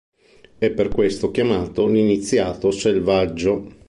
È per questo chiamato "L’iniziato selvaggio".